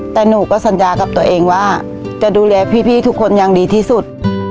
แต่หนูก็สัญญากับตัวเองว่าจะดูแลพี่ทุกคนอย่างดีที่สุด